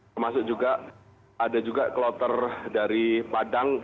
termasuk juga ada juga kloter dari padang